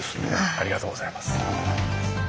ありがとうございます。